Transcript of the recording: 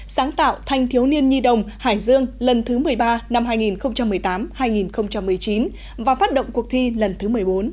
sáng tạo thanh thiếu niên nhi đồng hải dương lần thứ một mươi ba năm hai nghìn một mươi tám hai nghìn một mươi chín và phát động cuộc thi lần thứ một mươi bốn